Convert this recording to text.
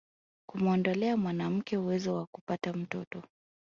kumuondolea mwanamke uwezo wa kupata mtoto